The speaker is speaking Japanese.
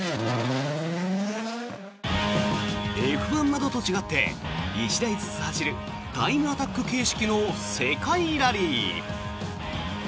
Ｆ１などと違って１台ずつ走るタイムアタック形式の世界ラリー。